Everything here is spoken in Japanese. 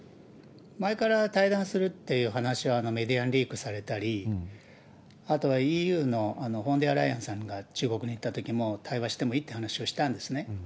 前から対談するっていう話は、メディアにリークされたり、あとはＥＵのフォンデアライアンさんが中国に訪問したときも、対話してもいいって話をしたんですね。